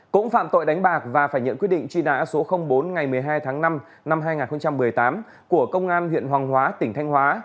cũng phạm tội đánh bạc và phải nhận quyết định truy nã số bốn ngày một mươi hai tháng năm năm hai nghìn một mươi tám của công an huyện hoàng hóa tỉnh thanh hóa